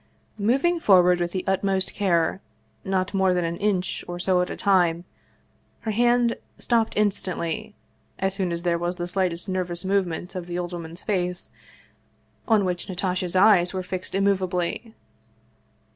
Mov ing forward with the utmost care, not more than an inch or so at a time, her hand stopped instantly, as soon as there was the slightest nervous movement of the old woman's face, on which Natasha's eyes were fixed immov ably.